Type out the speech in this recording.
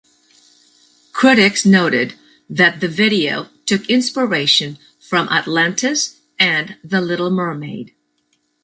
Critics noted that the video took inspiration from Atlantis and The Little Mermaid.